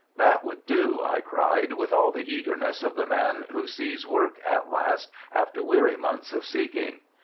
"That would do," I cried, with all the eagerness of the man who sees work at last after weary months of seeking.